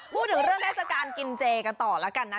พูดถึงเรื่องเทศกาลกินเจกันต่อแล้วกันนะ